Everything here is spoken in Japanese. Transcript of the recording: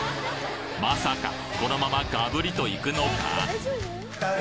まさかこのままがぶりといくのか？